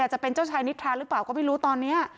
จะเป็นเจ้าชายนิทราหรือเปล่าก็ไม่รู้ตอนนี้